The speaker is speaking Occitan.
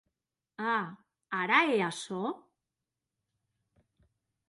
A!, ara hè açò?